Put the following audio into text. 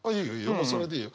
もうそれでいいよ。